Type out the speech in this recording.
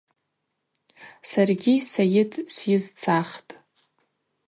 Саргьи Сайыт сйызцахтӏ.